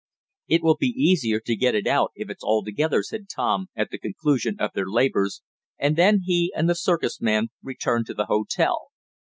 "It will be easier to get it out if it's all together," said Tom, at the conclusion of their labors, and then he and the circus man returned to the hotel.